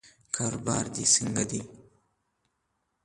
کاروبار دې څنګه دی؟